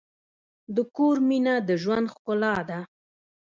د کور مینه د ژوند ښکلا ده.